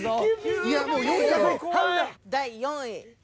第４位。